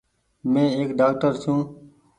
مين ايڪ ڊآڪٽر ڇون ۔